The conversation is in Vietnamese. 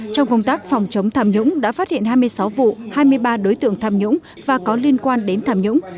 trong công tác phòng chống tham nhũng đã phát hiện hai mươi sáu vụ hai mươi ba đối tượng tham nhũng và có liên quan đến tham nhũng